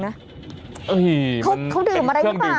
เค้าดื่มอะไรรึเปล่า